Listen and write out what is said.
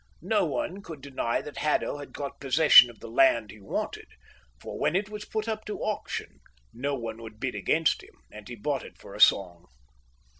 No one could deny that Haddo had got possession of the land he wanted; for, when it was put up to auction, no one would bid against him, and he bought it for a song.